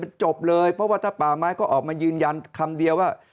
จบเลยเพราะว่าถ้าป่าไม้ก็ออกมายืนยันคำเดียวว่า